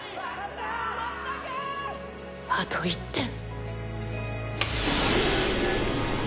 ・あと１点。